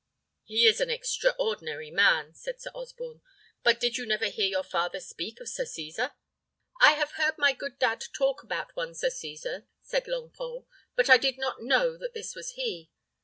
"He is an extraordinary man," said Sir Osborne. "But did you never hear your father speak of Sir Cesar?" "I have heard my good dad talk about one Sir Cesar," said Longpole, "but I did not know that this was he.